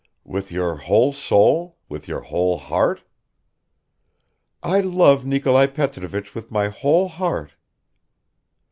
"With your whole soul, with your whole heart?" "I love Nikolai Petrovich with my whole heart."